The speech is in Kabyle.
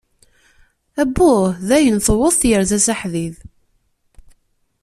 Abbuh dayen tewweḍ tyerza s aḥdid.